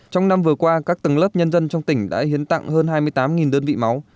trong năm vừa qua các tầng lớp nhân dân trong tỉnh đã hiến tặng hơn hai mươi tám đơn vị máu